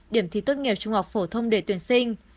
điểm thi tốt nghiệp trung học phổ thông để tuyển sinh